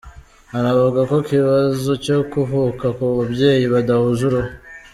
Anavuga ku kibazo cyo kuvuka ku babyeyi badahuje uruhu.